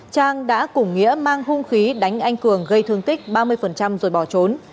trạng đã cùng nghĩa mang hông khí đánh anh cường gây thương tích ba mươi rồi bỏ trốn